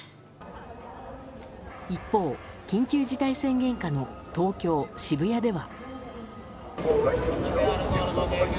一方、緊急事態宣言下の東京・渋谷では。